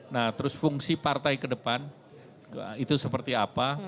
nah terus fungsi partai ke depan itu seperti apa